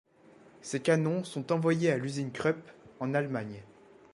Ces canons sont envoyées à l'usine Krupp en Allemagne.